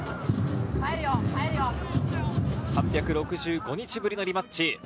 ３６５日ぶりのリマッチ。